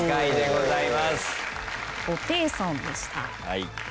はい。